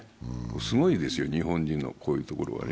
すごいですよ、日本人のこういうところは。